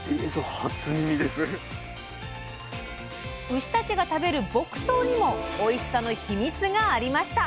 牛たちが食べる牧草にもおいしさのヒミツがありました！